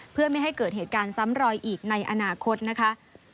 เพื่อไม่ให้เกิดเหตุการณ์ซ้ำรอยอีกในอนาคตนะคะ